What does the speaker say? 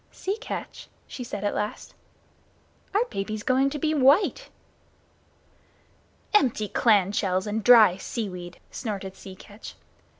"Sea Catch," she said, at last, "our baby's going to be white!" "Empty clam shells and dry seaweed!" snorted Sea Catch.